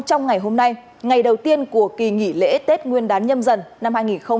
trong ngày hôm nay ngày đầu tiên của kỳ nghỉ lễ tết nguyên đán nhâm dần năm hai nghìn hai mươi bốn